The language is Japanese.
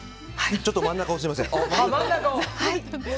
ちょっと真ん中をすみません。